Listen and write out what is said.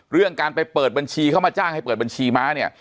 เรื่องการไปเปิดบัญชีเข้ามาจ้างให้เปิดบัญชีม้าเนี่ย